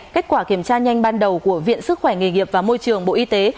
kết quả kiểm tra nhanh ban đầu của viện sức khỏe nghề nghiệp và môi trường bộ y tế